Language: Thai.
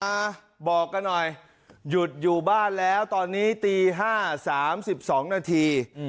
มาบอกกันหน่อยหยุดอยู่บ้านแล้วตอนนี้ตี๕๓๒นาที